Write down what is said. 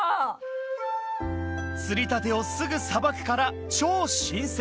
釣りたてをすぐさばくから超新鮮！